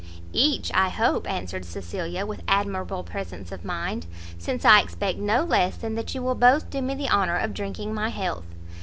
"Each, I hope," answered Cecilia, with admirable presence of mind, "since I expect no less than that you will both do me the honour of drinking my health."